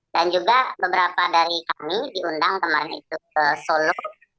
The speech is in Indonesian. dan juga beberapa dari kami diundang kemarin itu ke solo